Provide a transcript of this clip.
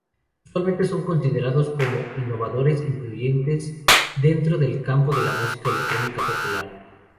Usualmente son considerados como innovadores influyentes dentro del campo de la música electrónica popular.